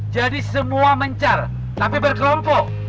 jadi semua mencar tapi berkelompok